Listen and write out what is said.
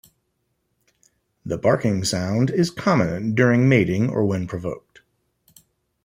The barking sound is common during mating or when provoked.